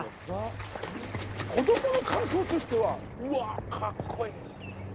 子どもの感想としては「うわあかっこいい」みたいな。